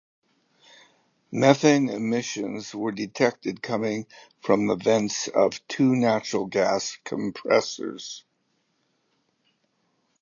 Methane emissions were detected coming from the vents of two natural gas compressors.